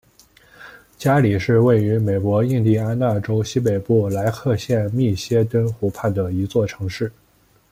加里是位于美国印第安纳州西北部莱克县密歇根湖畔的一座城市。